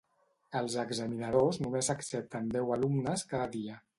Els examinadors només accepten deu alumnes cada dia.